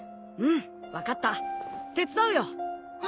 うん分かった手伝うよ。